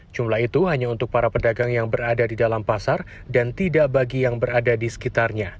jumlah itu hanya untuk para pedagang yang berada di dalam pasar dan tidak bagi yang berada di sekitarnya